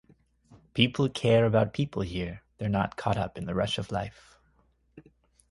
People care about people here; they're not caught up in the rush of life.